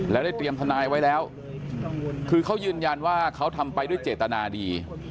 แล้วได้เตรียมทนายไว้แล้วคือเขายืนยันว่าเขาทำไปด้วยเจตนาดี